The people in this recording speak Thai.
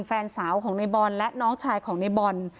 แฟนสาวของในบอลและน้องชายของในบอล